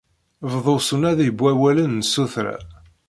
Bdu s unadi n wawalen n tsura.